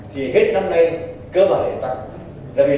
thì hết năm nay cơ bản là ủn tắc